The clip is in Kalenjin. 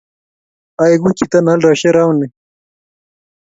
Aleku chito ne aldoisie rauni